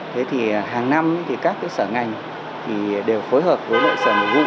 thế thì hàng năm các sở ngành đều phối hợp với sở nội vụ